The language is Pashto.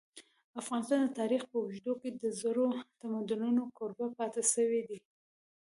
افغانستان د تاریخ په اوږدو کي د زرو تمدنونو کوربه پاته سوی دی.